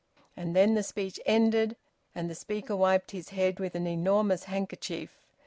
And then the speech ended, and the speaker wiped his head with an enormous handkerchief.